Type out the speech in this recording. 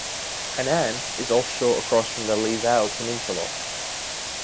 Hainan is offshore across from the Leizhou Peninsula.